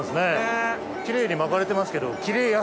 キレイに巻かれてますけど。